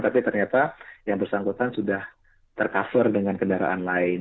tapi ternyata yang bersangkutan sudah tercover dengan kendaraan lain